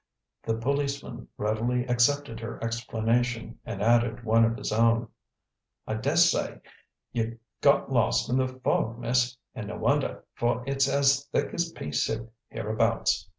The policeman readily accepted her explanation and added one of his own: "I dessay you've got lost in the fog, miss, and no wonder, for it's as thick as pea soup hereabouts.